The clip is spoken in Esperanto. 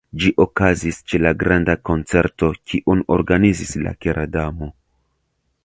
Ĝi okazis ĉe la granda koncerto kiun organizis la Kera Damo.